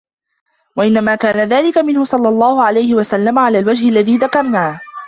وَإِنَّمَا كَانَ ذَلِكَ مِنْهُ صَلَّى اللَّهُ عَلَيْهِ وَسَلَّمَ عَلَى الْوَجْهِ الَّذِي ذَكَرْنَاهُ